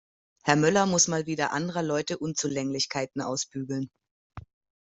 Herr Möller muss mal wieder anderer Leute Unzulänglichkeiten ausbügeln.